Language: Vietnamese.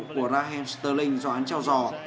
của raheem sterling do án trao rõ